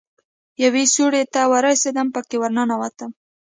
يوې سوړې ته ورسېدم پکښې ورننوتم.